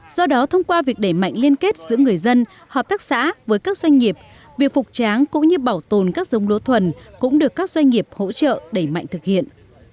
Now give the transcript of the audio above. do đó thông qua việc đẩy mạnh liên kết giữa người dân hợp tác xã với các doanh nghiệp việc phục tráng cũng như bảo tồn các dông lúa thuần cũng được các doanh nghiệp hỗ trợ đẩy mạnh thực hiện